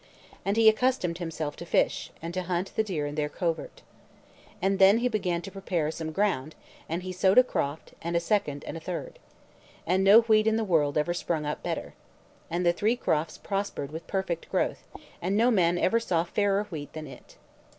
And he accustomed himself to fish, and to hunt the deer in their covert. And then he began to prepare some ground, and he sowed a croft, and a second, and a third. And no wheat in the world ever sprung up better. And the three crofts prospered with perfect growth, and no man ever saw fairer wheat than it.